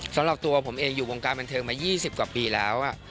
สำหรับตัวผมเองอยู่วงการบันเทิงมา๒๐กว่าปีแล้ว